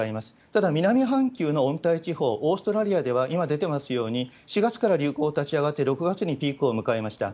ただ、南半球の温帯地方、オーストラリアでは今出てますように、４月から流行立ち上がって、６月にピークを迎えました。